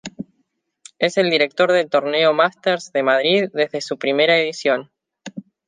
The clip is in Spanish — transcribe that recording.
Es el director del torneo Masters de Madrid desde su primera edición.